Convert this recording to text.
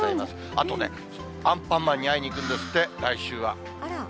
あとね、アンパンマンに会いに行くんですって、来週は。